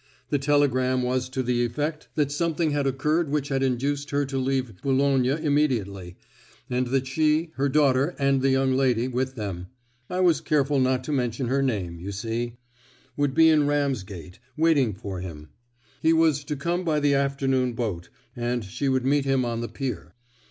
The telegram was to the effect that something had occurred which had induced her to leave Boulogne immediately, and that she, her daughter, and the young lady with them (I was careful not to mention her name, you see) would be in Ramsgate, waiting for him. He was to come by the afternoon boat, and she would meet him on the pier.